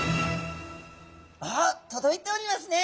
あっ届いておりますね！